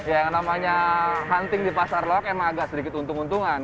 yang namanya hunting di pasar lok emang agak sedikit untung untungan